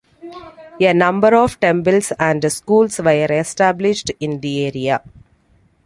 A number of temples and schools were established in the area.